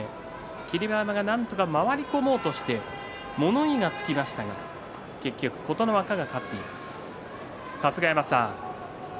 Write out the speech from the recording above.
霧馬山がなんとか回り込もうとして物言いがつきましたが結局、琴ノ若が勝っています。